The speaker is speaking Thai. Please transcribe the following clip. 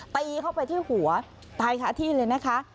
ตีเข้าไปที่หัวตายคาที่เลยนะคะ